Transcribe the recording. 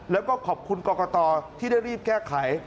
แล้วก็ขอบคุณกรกตที่ได้รีบแก้ไข